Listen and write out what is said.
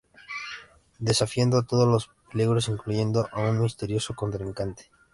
Desafiando todos los peligros incluyendo a un misterioso contrincante.